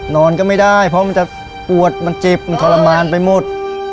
นอนก็ไม่ได้เพราะมันจะปวดมันเจ็บมันทรมานไปหมด